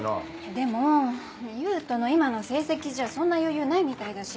でも勇人の今の成績じゃそんな余裕ないみたいだし。